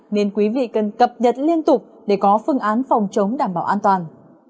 nên quý vị cần cập nhật liên tục để có phương án phòng chống đảm bảo an toàn